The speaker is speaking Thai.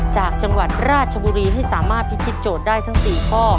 จากจังหวัดราชบุรีให้สามารถพิธีโจทย์ได้ทั้ง๔ข้อ